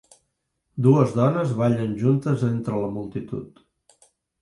Dues dones ballen juntes entre la multitud.